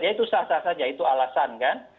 ya itu sah sah saja itu alasan kan